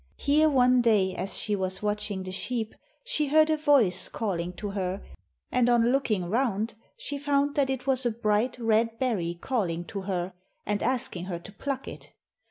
Here one day, as she was watching the sheep, she heard a voice calling to her, and on looking round she found that it was a bright red berry calling to her, and asking her to pluck it.